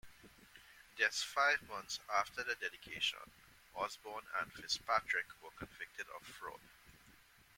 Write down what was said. Just five months after the dedication, Osborne and Fitzpatrick were convicted of fraud.